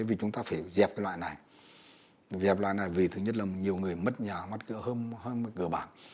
vì chúng ta phải dẹp loại này dẹp loại này vì thứ nhất là nhiều người mất nhà mất cửa hơn mất cửa bảng